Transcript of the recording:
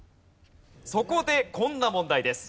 そこでこんな問題です。